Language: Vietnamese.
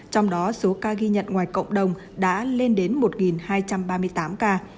trong đó số ca ghi nhận ngoài cộng đồng đã lên đến một hai trăm ba mươi tám ca